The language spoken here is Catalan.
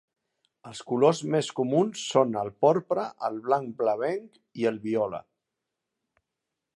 Els colors més comuns són el porpra, el blanc blavenc i el viola.